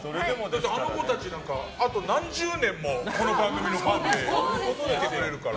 あの子たち、あと何十年もこの番組のファンでいてくれるから。